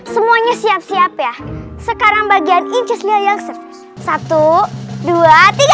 semuanya siap siap ya sekarang bagian inces lia yang satu dua tiga